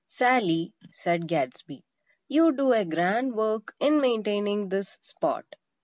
"Sally," said Gadsby, "you do a grand work in maintaining this spot.